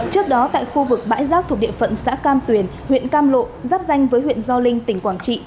trước đó tại khu vực bãi rác thuộc địa phận xã cam tuyền huyện cam lộ giáp danh với huyện gio linh tỉnh quảng trị